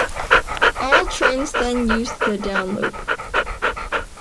All trains then used the Down loop.